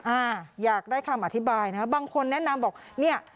อ่าอยากได้คำอธิบายนะบางคนแนะนำบอกเนี่ย